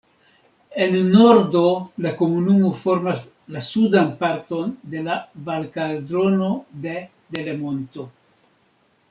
En nordo la komunumo formas la sudan parton de la Valkaldrono de Delemonto.